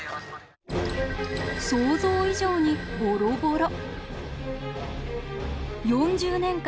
想像以上にボロボロ。